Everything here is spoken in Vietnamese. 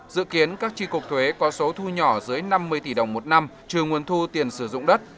dự kiến các tri cục thuế có số thu nhỏ dưới năm mươi tỷ đồng một năm trừ nguồn thu tiền sử dụng đất